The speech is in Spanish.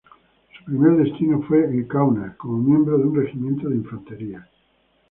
Su primer destino fue en Kaunas, como miembro de un regimiento de infantería.